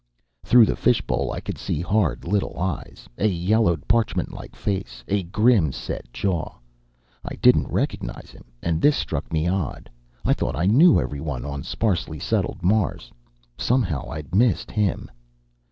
Through the fishbowl I could see hard little eyes, a yellowed, parchment like face, a grim set jaw. I didn't recognize him, and this struck me odd. I thought I knew everyone on sparsely settled Mars. Somehow I'd missed him.